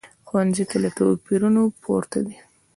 ښوونځی له توپیرونو پورته دی